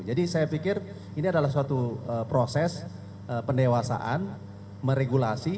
jadi saya pikir ini adalah suatu proses pendewasaan meregulasi